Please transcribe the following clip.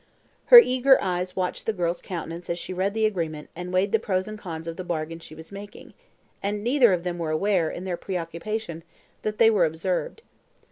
Her eager eyes watched the girl's countenance as she read the agreement and weighed the pros and cons of the bargain she was making, and neither of them were aware, in their preoccupation, that they were observed.